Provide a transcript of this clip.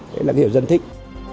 đấy là cái hiểu dân thích